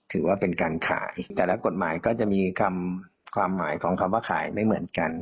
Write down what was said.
ถือว่าเป็นการขายแต่ละกฎหมายก็จะมีคำความหมายของคำว่าขายไม่เหมือนกัน